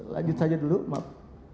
lanjut saja dulu maaf